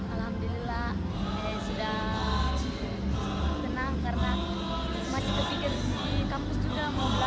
alhamdulillah sudah tenang karena masih berpikir di kampus juga